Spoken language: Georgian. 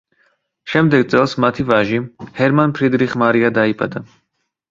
შემდეგ წელს მათი ვაჟი, ჰერმან ფრიდრიხ მარია დაიბადა.